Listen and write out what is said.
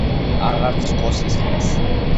აღარც რკოს ისხამს